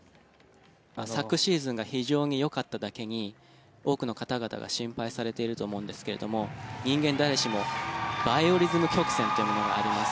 昨シーズンが非常によかっただけに多くの方々が心配されていると思うんですけど人間誰しもバイオリズム曲線というものがあります。